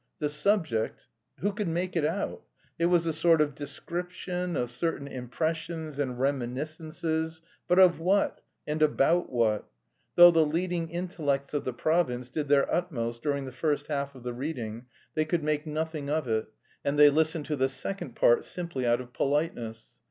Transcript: The subject.... Who could make it out? It was a sort of description of certain impressions and reminiscences. But of what? And about what? Though the leading intellects of the province did their utmost during the first half of the reading, they could make nothing of it, and they listened to the second part simply out of politeness.